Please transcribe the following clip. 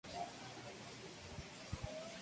Este videojuego fue lanzado exclusivamente en Japón.